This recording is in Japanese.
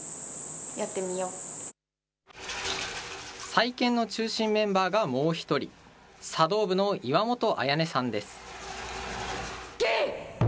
再建の中心メンバーがもう１人、茶道部の岩元綾音さんです。